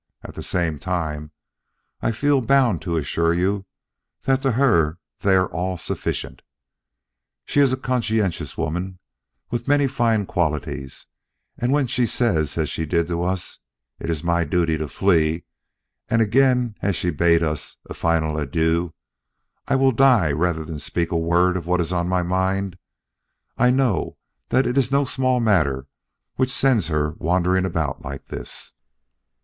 At the same time, I feel bound to assure you that to her they are all sufficient. She is a conscientious woman, with many fine qualities, and when she says as she did to us, 'It is my duty to flee,' and again as she bade us a final adieu, 'I will die rather than speak a word of what is on my mind,' I know that it is no small matter which sends her wandering about like this."